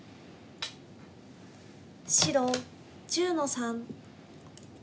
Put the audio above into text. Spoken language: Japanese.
白１０の三。